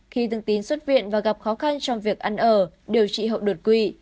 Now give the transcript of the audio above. khi thường tín xuất viện và gặp khó khăn trong việc ăn ở điều trị hậu đột quỵ